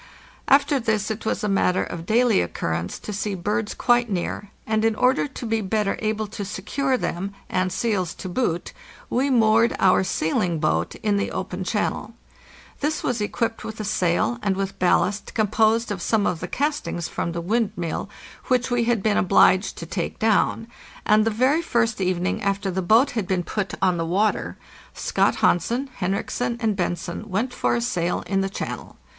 After this it was a matter of daily occurrence to see birds quite near, and in order to be better able to secure them, and seals to boot, we moored our sealing boat in the open channel. This was equipped with a sail, and with ballast composed of some of the castings from the windmill, which we had been obliged to take down ; and the very first evening after the boat had been put on the water, Scott Hansen, Henriksen, and Bent zen went for a sail in the channel.